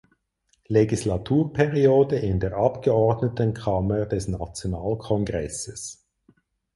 Legislaturperiode in der Abgeordnetenkammer des Nationalkongresses.